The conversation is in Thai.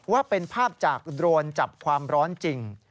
ว่าเป็นภาพจากโดรนจับความร้อนจริง